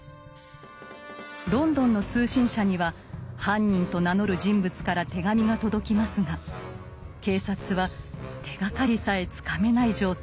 ロンドンの通信社には犯人と名乗る人物から手紙が届きますが警察は手がかりさえつかめない状態。